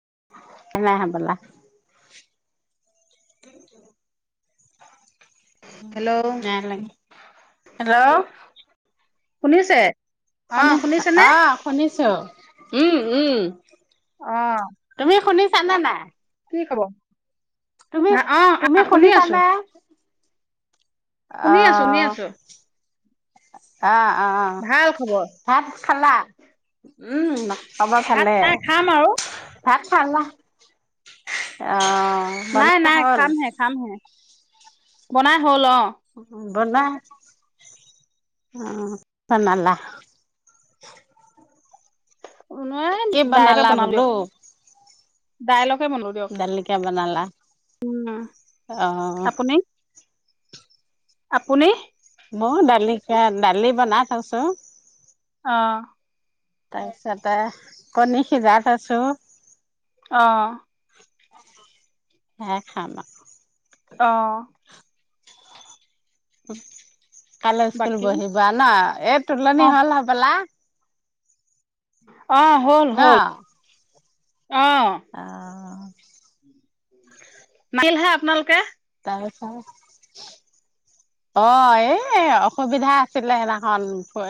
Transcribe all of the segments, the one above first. [unintelligible] Hello [unintelligible] hello. শুনিছে? অ শুনে শুনিছেনে আহ, শুনিছো। উম উম। আহ,, চানা না কি খবৰ? তুমি ভা অ তুমি শুনি খুুলিছা আছো নাই? শুনি আছোঁ শুনি আছোঁ। আ অ, খবৰ ভাত খালা? উম, ভাত নাই খাম আৰু - - খালা অ, নাই বনোৱা নাই হ'ল? খাম হে খাম হে,, বনাই হ'ল অ,, উহু বনাই,, অ বনালা কি বনালা বোলো, ডায়লগ দালিকে বনালা উম অ'। আপুনি আপুনি? মই দালি সেয়া দালি বনাই থৈছো। অঁ। তাৰপিছতে কণী সিজাই থৈছো। অঁ। হে খানা আৰু [inaudible] অঁ। উম। কাইলৈ স্কুল বাকী বহিব ন, এই অ তুলনি হল হবলা? অ' হ'ল হ'ল। অ অঁ। নাহিলহে আপোনালোকে। অ এই অসুবিধা আছিলে সেনাখন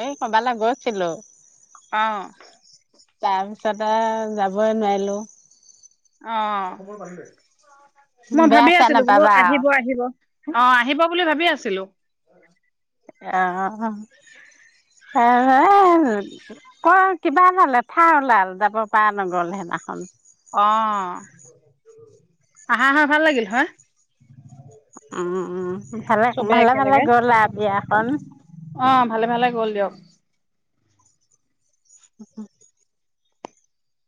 এই কৰবালৈ গৈছিলো অ তাৰ পিছতে যাবই নোৱাৰিলো অ মই বেয়া ভাবি চেয়া আছিলো বোলো নাপাবা আহিব আহিব অ আহিব বুলি ভাবি আছ ছিলো [unintelligible] অ ক কিবা এটা লেঠা ওলাল যাব পৰা নগ'ল সেইদিনাখন অ আহা আহা ভাল লাগিল হয় উম উম ভালে চবে ভালে ভালে একেলগে। গ'লা আও বিয়াখন অ ভালে ভালে গ'ল দিয়ক [unintelligible]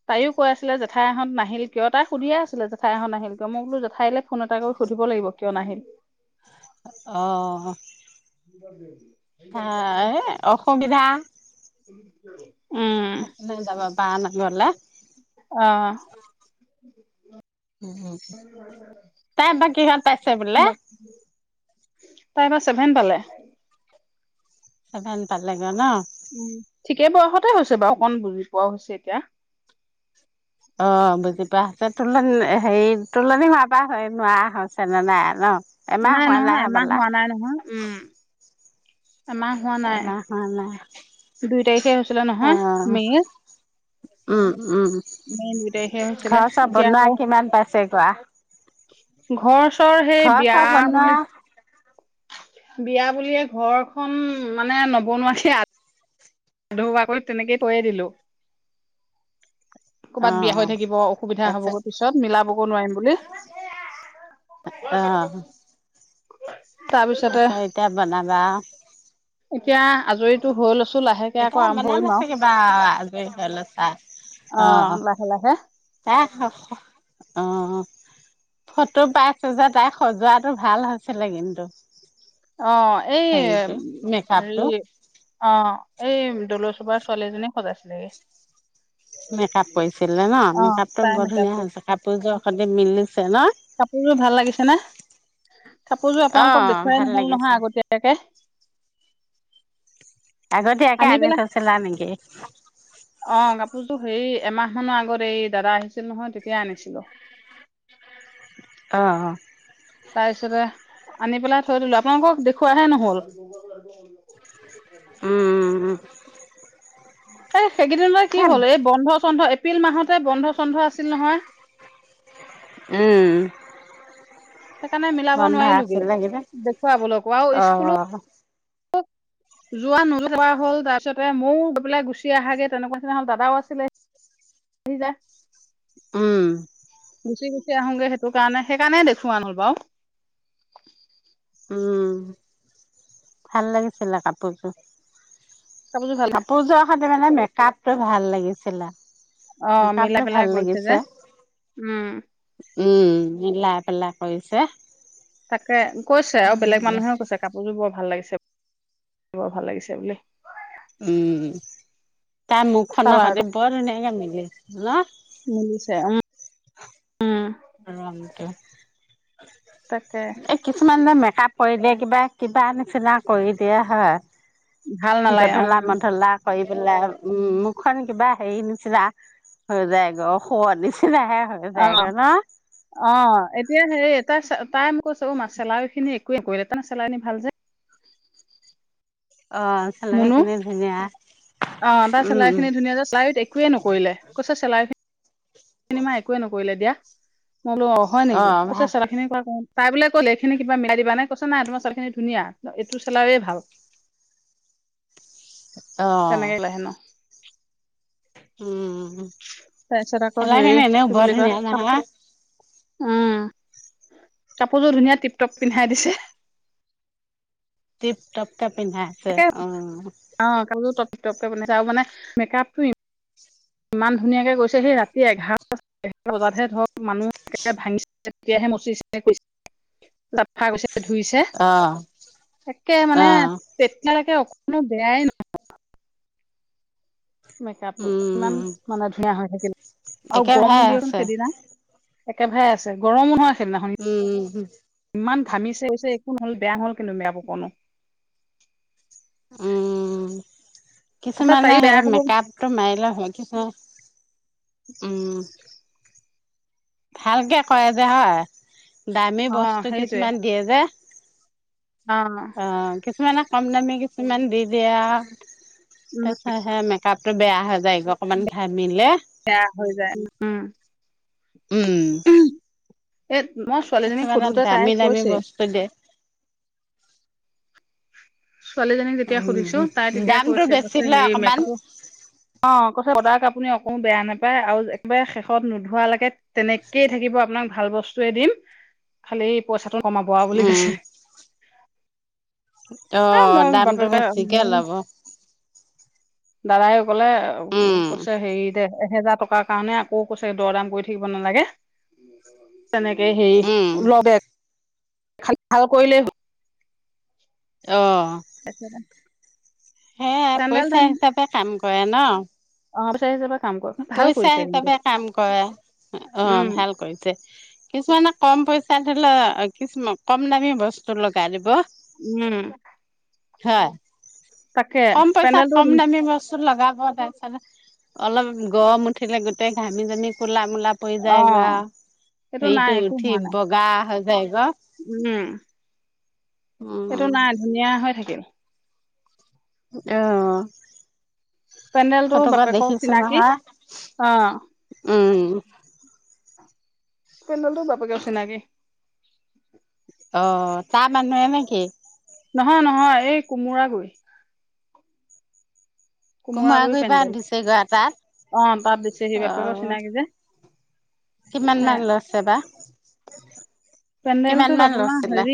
তাইয়ো কৈ আছিলে জেঠাই এহত নাহিল কিয় তাই সুধিয়ে আছিলে জেঠাই এহঁত নাহিল কিয় মই বোলো জেঠাইলে ফোন এটা কৰি সুধিব লাগিব কিয় নাহিল অহ [unintelligible] হয় অসুবিধা [unintelligible] [unintelligible] টাউনত গ'লে। অ' তাই এইবা কিহত পাইছে বোলে। তাই এইবা ছেভেন পালে। ছেভেন পালেগৈ ন? উম। ঠিকে বয়সতে হৈছে বাৰু, অকণ বুজি পোৱাও হৈছে এতিয়া। অ' বুজি পোৱা হৈছে, তুলনি হেৰি তুলনি হোৱাৰ পৰা নোৱাৰা হৈছে নে নাই ন। এমাহ নাই হোৱা নহয়, এমাহ হ'বলা? হোৱা নাই নহয়। উম! এমাহ হোৱা নাই। এমাহ হোৱা নাই। দুই তাৰিখে হৈছিলে নহয় অ', মে'ৰ। মে' দুই তাৰিখে হৈছিলে ঘৰ-চৰ এতিয়া বনোৱা, আকৌ কিমান পাইছে কোৱা। ঘৰ চৰ সেই ঘৰ বিয়া চৰ বনোৱা বুলি। বিয়া বুলিয়ে ঘৰখন মানে নবনুৱাকে। আ আধৰুৱাকৈ তেনেকে থৈয়ে দিলোঁ। কৰ'বাত বিয়া হৈ অ', থাকিব অসুবিধা তাৰপিছত হ'বগৈ পিছত মিলাবগো নোৱাৰিম বুলি তাৰপিছতে তাৰছত এতিয়া বনাবা এতিয়া আজৰিতো হৈ লৈছো লা এতিয়া বনাবা [unintelligible] আজৰি হ'লে চাই অ লাহে লাহে অহ' [unintelligible] অ' ফটো পাইছো যে তাই সজোৱাটো ভাল হৈছিলে কিন্তু অ', এই হেৰিটো মেকআপটো হেৰি অ' এই দলৌৰ চোপাৰ ছোৱালী এজনীয়ে সজাইছিলেগে মেক-আপ কৰিছিলে ন', অ মেক-আপটো তাই বৰ ধুনীয়া মেকআপ হৈছে কাপোৰযোৰ সতে মিলি কাপোৰযোৰ ভাল লাগিছে নে? কাপোৰযোৰ অ আপোনালোকক দেখুৱাই ভাল নহ'ল লাগিছে নহয় আগতীয়াকে আগতীয়াকে আনি থৈছিলা নেকি? অ কাপোৰযোৰ হেৰি এমাহ মানৰ আগত এই দাদা আহিছিল নহয় তেতিয়া আনিছিলো। অ' তাৰ পিছতে আনি পেলাই থৈ দিলো আপোনালোকক দেখুৱাহে নহ'ল। [inaudible] উম হেয় সেইকেইদিন মানে কি উম হ'ল এই বন্ধ-চন্ধ এ এপ্ৰিল মাহতে বন্ধ-চন্ধ আছিল নহয় উম সেইকাৰণে মিলাব বন্ধা নোৱাৰিলোগে আছিলে কিবা দেখুৱাবলৈকো আৰু অ স্কুলো যোৱা নোযোৱা হ'ল তাৰপিছতে ময়ো গৈ পেলাই গুচি আহাগে তেনেকুৱা নিচিনা হ'ল দাদাও আছিলে আহি যা উম গুচি গুচি আহোংগে সেইটো কাৰণে সেইকাৰণে দেখুৱা নহ'ল বাৰু উম, ভাল লাগিছিলে কাপোৰযোৰ কাপোৰযোৰ ভাল কাপোৰযোৰ [unintelligible] তে মানে মেক-আপটো ভাল লাগিছিলে। অ মিলাই মেক-আপটো পেলাই ভাল কৰিছে যে লাগিছে। উম উম মিলাই পেলাই কৰিছে তাকে কৈছে আৰু বেলেগ মানুহেও কৈছে কাপোৰযোৰ বৰ ভাল লাগি বৰ ভাল লাগিছে বুলি উম তাৰ মুখ খনত কালাৰটো খালী বৰ ধুনীয়াকে মিলিছে হেল মিলিছে উম উম ৰংটো তাকে এই কিছুমান যে মেকপ কৰি দিয়ে কিবা কিবা নিচিনা কৰি দিয়া হয় ভাল নালাগে উম জধলা মধলা কৰি পেলাই উম মুখখন কিবা হেৰি নিচিনা হৈ যায় গ শুৱ নিচিনা লাহে হৈ অ যায়গ ন অ এতিয়া হেৰি তাই, তাই কৈছ অ মাচেলাৰ খিনি যে [unintelligible] অ চেলাই মুনু খিনি ধুনীয়া অ তাৰ উম চেলাউৰি উম খিনি ধুনীয়া যে চেলাউৰিত একোৱে নকৰিলে কৈছে চেলাউৰি খিনি। চিনেমা একোৱে নকৰিলে দিয়া। মই বোলো অ হয় নেকি? কইছে চেলাউৰি খিনি ক ক তাই বোলে ক'লে এইখিনি কিবা মিলাই দিবা। এনেকে কৈছ নাই, তোমাৰ চেলাউৰি খিনি ধুনীয়া এইটো চেলাউৰিয়ে ভাল। আহ তেনেকে ক'লে হেনো উম তাৰপিছত আকৌ চেলাউৰি হেৰি খিনি এনেও কি বুলি বৰ কয় ধুনীয়া, কাপোৰ নহয়। উম কাপোৰযোৰ ধুনীয়া টিপটপ পিন্ধাই দিছে। টিপ টপ, টপ পিন্ধাইছে। অঁ! টিকটপকে বনাইছে, আৰু মানে মেকআপটো ইমান ইমান ধুনীয়াকে গৈছে সেই ৰাতি এঘাৰ- বজাতহে ধৰক মানুহ ভাঙিছে, তেতিয়াহে মচিছে চাফা‌ কৰিছে ধুইছে, অ একে অ মানে তেতিয়ালকে নো বেয়াই ন মেকআপটো ইমান উম মানে ধুনীয়া হৈ থাকিলে আৰু গৰমো একেভাগে দিলে নহয় আছে সেইদিনা। একেভাগেই আছে, গৰমো নহয়। সেইদিনাখন উম! উম! ইমান হম। ঘামিছে কৈছে একো নহল, বেয়া হ'ল কিন্তু মেকআপ অকনো উম। তাতে কিছুমানে তাইও বেয়া সেই হ'ব মেকআপটো মাৰিলে হয়, কিছুমানে উম। ভালকে কৰেযে হয়? দামী অ বস্তু সেইটোৱে কিছুমান দিয়ে যে। অ কিছুমানে কমদামী কিছুমান দি দিয়ে আৰু উম [unintelligible] সে মেকাপ এইটো বেয়া। [unintelligible] [unintelligible] যায়গে অকমান ঘামিলে বেয়া হৈ যায় উম উম এ মই ছোৱালীজনীক কিছুমানে সোধোতে তাই দামী দামী কৈছে। বস্তু দিয়ে ছোৱালীজনীক যেতিয়া উম সুধিছো তাই তেতিয়া দামটো কৈছে বেছি কৈছে হে লয় অকমান মেকআপ অ [unintelligible] আপুনি একো বেয়া নাপায় আৰু একেবাৰে শেষত নোধোৱালৈকে তেনেকেই থাকিব আপোনাক ভাল বস্তুয়ে দিম খালি পইচা কমাবৱা বুলি উম কৈছে। অ এ মই দামটো বাপেকে বেছিকে লব। দাদায় কলে উম কৈছে হেৰি দে এহেজাৰ টকাৰ কাৰণে আকৌ কৈছে দৰ দাম কৰি থাকিব নালাগে। তেনেকে হেৰি উম [unintelligible] খাল ভাল কৰিলে হল। অঁ সেয়াই পেণ্ডেল পইচা হিচাপে কাম কৰে ন। অ পইচা হিচাপত পইচা হিচাপে কাম কৰে অ উম, ভাল কৰিছে কিছুমানে কম পই তাত ল কিছম কম দামী বস্তু লগাই দিব। উম হয় তাকে কম পইচাত পেণ্ডেলটো কম দামী বস্তু লগাব অ তাৰপিছতে অল গৰম উঠিলে গোটেই ঘামি জামি কোলা কুলা পৰি যায় গা অ', এইটো নাই সেইটো একো উঠি হোৱা নাই বগা হৈ [unintelligible] উম এইটো উম নাই ধুনীয়া হৈ থাকিল। আহ পেমডেলটো বাপেকৰ চিনাকি নহয় অ উম পেনডেলটো বাপেকৰ চিনাকি অ তাহ মানুহে নেকি নহয় নহয় এই কোমোৰা গৈ কোমোৰা গুৰি কোমোৰাগুৰি পৰা পেনদেল দিছেগৈ তাত অ তাত দিছে সি অ বাপেকৰ চিনাকি যে কিমান মান সেয়া লছে বা কিমান পেণ্ডেলটোত মান আপোনাৰ লছিলে হেৰি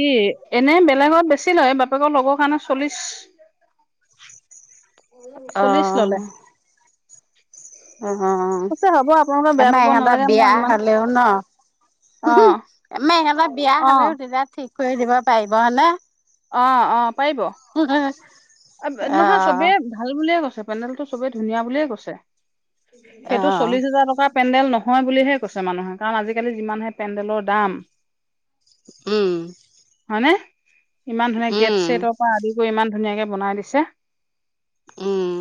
এনে বেলেগত বেছি লয় বাপেকৰ লগৰ কাৰণে চল্লিশ চল্লিশ ললে অহ অ কৈছে হ'ব আপোনালোকে বেয়া আমাৰ পাব ইহঁতৰ নালাগে বিয়া মই ইমান হলেও ন অ আমাৰ ইহঁতৰ বিয়া অ হ'লেও অ তেতিয়া ঠিক কৰি দিব পাৰিব হয়নে অ অ উম অ নহয় চবে ভাল বুলিয়ে কৈছে পেনদেলতটো চবেই ধুনীয়া বুলিয়ে কৈছে সেইটো অ', চল্লিশ হোজাৰ টকাৰ পেণ্ডেল নহয় নহয় বুলিহে কৈছে মানুহে কাৰণ আজিকালি যিমানহে পেণ্ডেলৰ দাম উম হয় নে? ইমান ধুনীয়া গেট উম, ছেটৰ পৰা আদি কৰি ইমান ধুনীয়াকে বনাই দিছে উম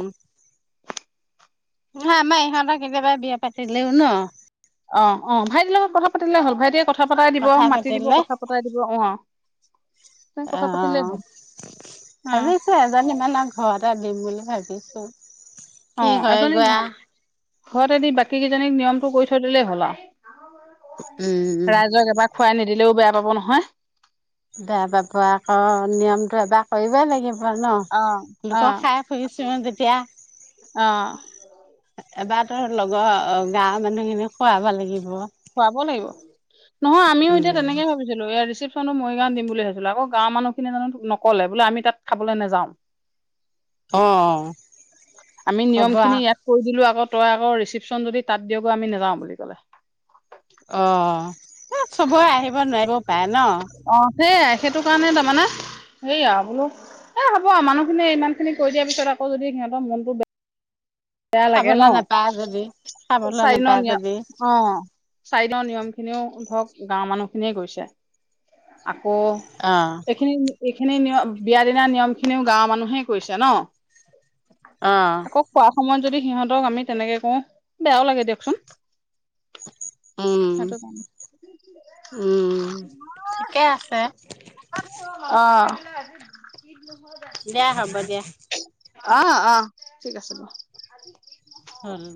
নহয় আমাৰ ইহঁতক কেতিয়াবা বিয়া পাতিলেও ন অ অ ভাইটিৰ লগত কথা পাতিলে হল ভাইটিয়ে কথা কথা পতাই দিব কথা মাতি দিব পাতিলে কথা পতাই দিব অ তেনেকে অ কথা পাতিলেই হ'ল অ ভাৱিছো এজনী মানক ঘৰতে দিম বুলি ভাৱিছো অ অ কি হয় এজনী গৈ আও ঘৰতে দি বাকী কেইজনীক নিয়মটো কৰি থৈ দিলেই হল আও উম। ৰাইজক এবাৰ খোৱাই নি দিলেও বেয়া পাব নহয় বেয়া পাব আকৌ নিয়মটো এবাৰ কৰিবই লাগিব ন অ অ লোকৰ খাই ফুৰি চু যেতিয়া অ এবাৰ তোৰ লগৰ অ গাৱৰ মানুহ খিনি খোৱাব লাগিব খুৱাব লাগিব নহয় আমিও এতিয়া উম, তেনেকে ভাৱিছিলো ইয়াৰ ৰিচিপ চনো মৰিগাঁৱত দিম বুলি ভাৱিছিলো আকৌ গাঁৱৰ মানুহখিনিয়ে জানো নক'লে বোলে আমি তাত খাবলৈ নাযাওঁ অ', আমি নিয়ম ক'ব আ খিনি ইয়াত কৰি দিলো আগত তই আকৌ ৰিচিপশন যদি তাত দিয়গৈ আমি নাযাওঁ বুলি ক'লে এ চবৰে আহিব নোৱাৰিব পাৰে ন সেয়াই সেইটো কাৰণে তাৰমানে হেই আৰু বোলো এই হ'ব আৰু মানুহখিনিয়ে ইমানখিনি কৈ দিয়াৰ পিছত আকৌ যদি সিহঁতৰ মনটো বেয়া বেয়া লাগে খাবলৈ নাপায় যদি ন খাবলৈ চাৰিনৰ নাপায় নিয় যদি অ চাৰিনৰ নিয়ম খিনিও ধৰক গাঁৱৰ মানুহখিনিয়ে গৈছে আকৌ অ', এইখিনি এইখিনি নিয়ম বিয়া দিনাাৰ নিয়ম খিনিও গাঁৱৰ মানুহে কৈছে ন অহঁ আকৌ খোৱা সময়ত যদি সিহঁতক আমি তেনেকে কওঁ বেয়াও লাগে দিয়কচোন উম, সেইটো জানে উম। ঠিকে আছে অ দিয়া হ'ব দিয়া অহ অ ঠিক আছে ব হম